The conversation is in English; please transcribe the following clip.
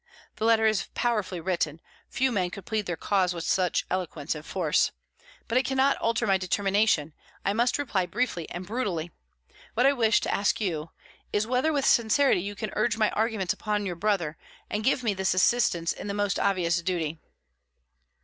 The letter is powerfully written; few men could plead their cause with such eloquence and force. But it cannot alter my determination. I must reply briefly and brutally. What I wish to ask you is, whether with sincerity you can urge my arguments upon your brother, and give me this assistance in the most obvious duty?"